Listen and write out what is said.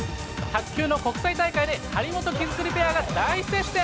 卓球の国際大会で張本・木造ペアが大接戦。